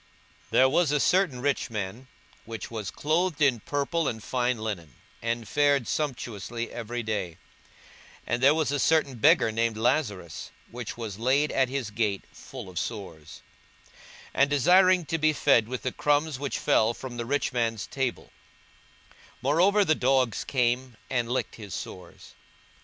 42:016:019 There was a certain rich man, which was clothed in purple and fine linen, and fared sumptuously every day: 42:016:020 And there was a certain beggar named Lazarus, which was laid at his gate, full of sores, 42:016:021 And desiring to be fed with the crumbs which fell from the rich man's table: moreover the dogs came and licked his sores.